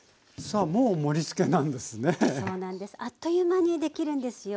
あっという間にできるんですよ。